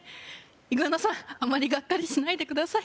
イグアナさんあまりがっかりしないでください